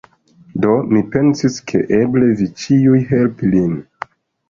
Do, mi pensis, ke eble vi ĉiuj helpi lin